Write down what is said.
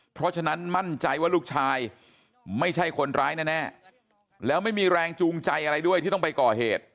เพราะฉะนั้นมั่นใจว่าลูกชายไม่ใช่คนร้ายแน่แล้วไม่มีแรงจูงใจอะไรด้วยที่ต้องไปก่อเหตุ